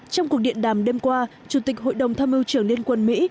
trong cuộc điện đàm đêm qua chủ tịch hội đồng tham mưu trưởng liên quân mỹ